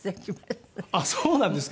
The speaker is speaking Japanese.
ああそうなんですか？